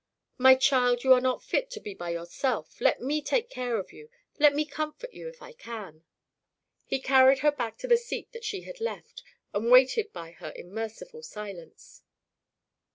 "My child, you are not fit to be by yourself. Let me take care of you let me comfort you, if I can." He carried her back to the seat that she had left, and waited by her in merciful silence.